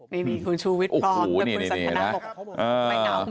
ไม่มีคุณชูวิทย์พร้อมเป็นคุณสัตว์ธนาคต